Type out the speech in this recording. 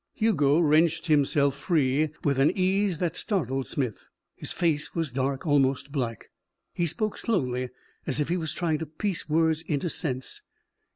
Hugo wrenched himself free with an ease that startled Smith. His face was dark, almost black. He spoke slowly, as if he was trying to piece words into sense.